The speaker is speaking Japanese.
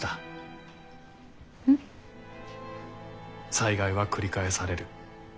災害は繰り返される。